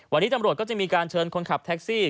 วันนี้ตำรวจก็จะมีการเชิญคนขับแท็กซี่